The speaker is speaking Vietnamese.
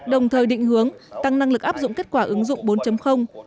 đồng thời định hướng tăng năng lực áp dụng kết quả ứng dụng bốn